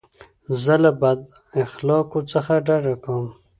زه له بد اخلاقو څخه ډډه کوم.